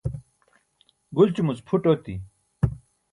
gulćumuc phuṭ oti